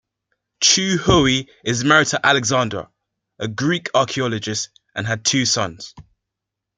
Choo Hoey is married to Alexandra, a Greek archaeologist, and had two sons.